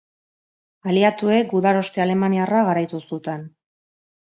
Aliatuek, gudaroste alemaniarra garaitu zuten.